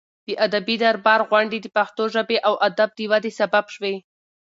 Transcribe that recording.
د ادبي دربار غونډې د پښتو ژبې او ادب د ودې سبب شوې.